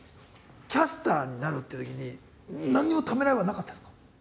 キャスターになるっていうときに何にもためらいはなかったんですか？